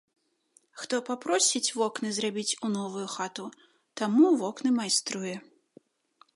Хто папросіць вокны зрабіць у новую хату, таму вокны майструе.